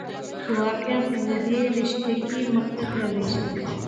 چې واقعا زه دې رشته کې مخته تللى شم.